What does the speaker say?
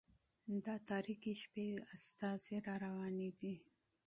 د تاريكي شپې استازى را روان دى